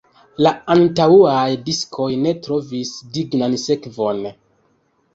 La antaŭaj diskoj ne trovis dignan sekvon.